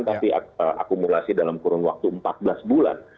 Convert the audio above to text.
tapi akumulasi dalam kurun waktu empat belas bulan